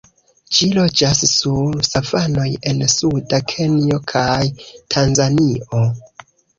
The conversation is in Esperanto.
Ĝi loĝas sur savanoj en suda Kenjo kaj Tanzanio.